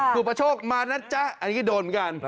ครูประโชคมานะจ๊ะ